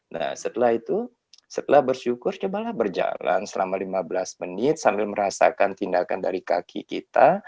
nah setelah itu setelah bersyukur cobalah berjalan selama lima belas menit sambil merasakan tindakan dari kaki kita